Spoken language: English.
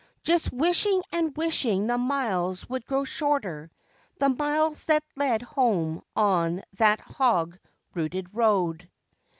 Just wishing and wishing the miles would grow shorter, the miles that led home on that hog rooted road.